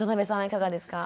いかがですか？